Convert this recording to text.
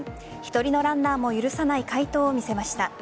１人のランナーも許さない快投を見せました。